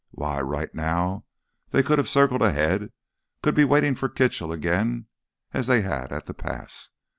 Why, right now they could have circled ahead—could be waiting for Kitchell again as they had at the pass.